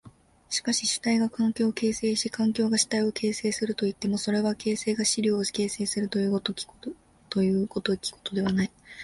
しかし主体が環境を形成し環境が主体を形成するといっても、それは形相が質料を形成するという如きことではない。